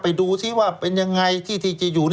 ไปดูซิว่าเป็นยังไงที่จะอยู่